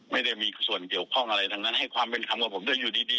ไม่ได้มีส่วนเกี่ยวข้องอะไรดังนั้นให้ความเป็นธรรมกับผมด้วยอยู่ดี